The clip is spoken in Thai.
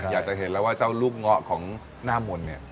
อยากจะเห็นแล้วว่าเจ้าลูกเงาะของหน้ามนต์เนี่ย